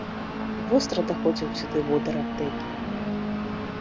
Востра даходзіў сюды водыр аптэкі.